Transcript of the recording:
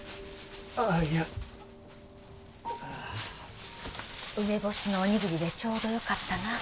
ああいや梅干しのおにぎりでちょうどよかったな